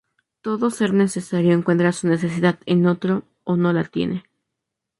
Todo ser necesario encuentra su necesidad en otro, o no la tiene.